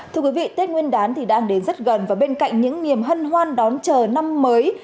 thưa quý vị tết nguyên đán thì đang đến rất gần và bên cạnh những niềm hân hoan đón chờ năm mới